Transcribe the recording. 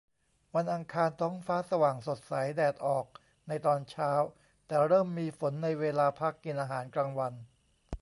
วันอังคารท้องฟ้าสว่างสดใส แดดออกในตอนเช้า แต่เริ่มมีฝนในเวลาพักกินอาหารกลางวัน